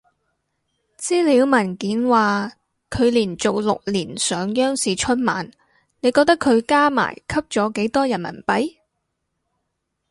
資料文件話佢連續六年上央視春晚，你覺得佢加埋吸咗幾多人民幣？